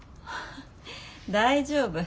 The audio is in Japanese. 大丈夫。